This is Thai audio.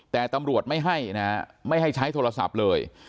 แต่ตำรวจไม่ให้นะฮะไม่ให้ใช้โทรศัพท์เลย